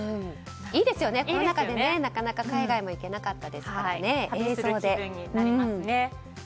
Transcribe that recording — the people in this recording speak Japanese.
いいですよね、コロナ禍でなかなか海外も行けなかったですからね映像でね。